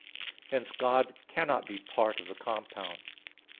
Hence God cannot be part of a compound.